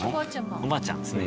おばあちゃんですね。